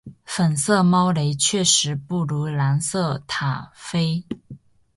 粉色猫雷确实不如蓝色塔菲